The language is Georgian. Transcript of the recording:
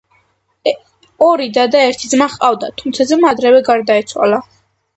ორი და და ერთი ძმა ჰყავდა, თუმცა ძმა ადრევე გარდაეცვალა.